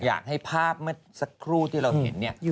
อยากให้ภาพที่เราเห็นนี่